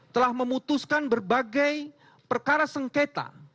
telah memutuskan berbagai perkara sengketa